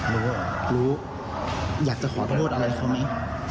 รู้เหรอรู้อยากจะขอโทษอะไรเขาไหม